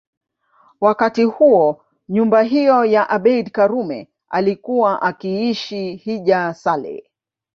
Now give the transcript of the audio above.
Wakati huo nyumba hiyo ya Abeid Karume alikuwa akiishi Hija Saleh